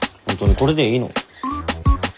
これがいいの。